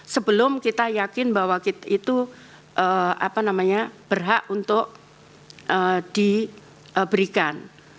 sebelum kita yakin bahwa kita itu berhak untuk diberikan